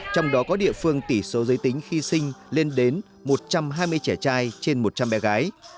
trong đó có địa phương tỷ số giới tính khi sinh lên đến một trăm hai mươi trẻ trai trên một trăm linh bé gái